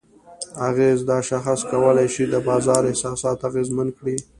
اغېز: دا شاخص کولی شي د بازار احساسات اغیزمن کړي؛